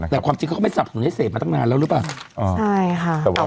แต่ความจริงเขาก็ไม่สับสนุนให้เสพมาตั้งนานแล้วหรือเปล่า